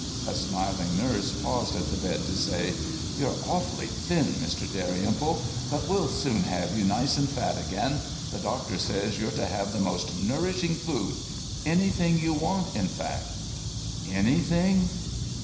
A smiling nurse paused at the bed to say: "You're awfully thin, Mr. Dalrymple, but we'll soon have you nice and fat again. The doctor says you're to have the most nourishing food—anything you want, in fact." "'_Anything?